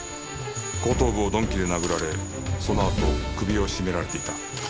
後頭部を鈍器で殴られそのあと首を絞められていた